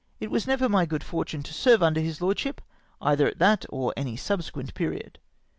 It was never my good fortune to serve under his lordship, cither at that or any subsequent period.